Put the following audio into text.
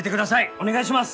お願いします！